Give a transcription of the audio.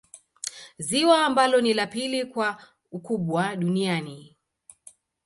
Ziwa ambalo ni la pili kwa ukubwa duniani